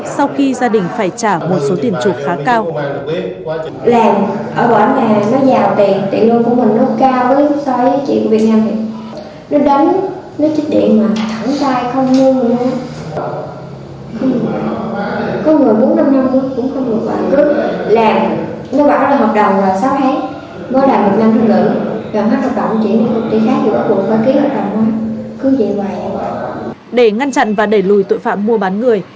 sau khi gia đình phải trả một số tiền trụ khá cao